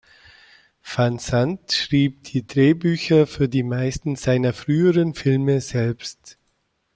Van Sant schrieb die Drehbücher für die meisten seiner früheren Filme selbst.